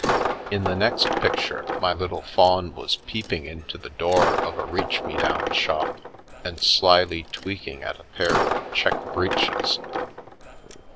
In the next picture my little faun was peeping into the door of a " reach me down " shop, and slyly tweaking at a pair of check breeches.